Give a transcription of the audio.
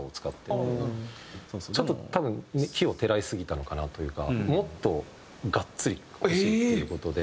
ちょっと多分奇をてらいすぎたのかなというかもっとがっつり欲しいっていう事で。